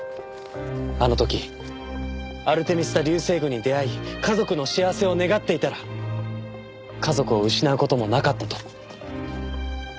あの時アルテミス座流星群に出会い家族の幸せを願っていたら家族を失う事もなかったと。